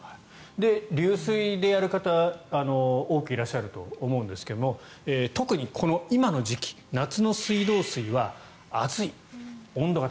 流水でやる方多くいらっしゃると思いますが特にこの今の時期夏の水道水は、熱い。